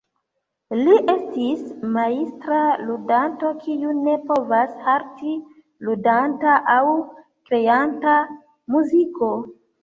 Li estis majstra ludanto kiu ne povas halti ludanta aŭ kreanta muziko.